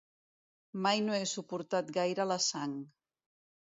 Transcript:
Mai no he suportat gaire la sang.